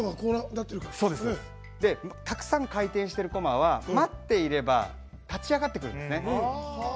たくさん回転してるこまは待っていれば立ち上がってくるんですね。